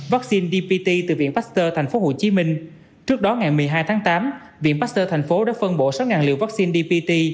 vaccine dpt từ viện pasteur tp hcm trước đó ngày một mươi hai tháng tám viện pasteur tp hcm đã phân bổ sáu liều vaccine dpt